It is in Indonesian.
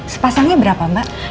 sepasangnya berapa mbak